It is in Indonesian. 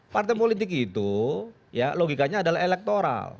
partai politik itu ya logikanya adalah elektoral